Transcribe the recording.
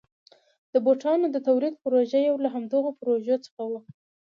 د بوټانو د تولید پروژه یو له همدغو پروژو څخه وه.